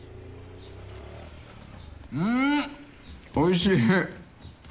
んおいしい！